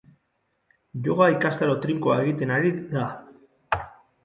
Yoga ikastaro trinkoa egiten ari da.